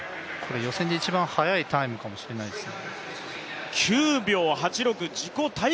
予選で一番速いタイムかもしれませんね。